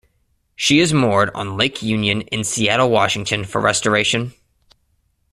She is moored on Lake Union, in Seattle, Washington, for restoration.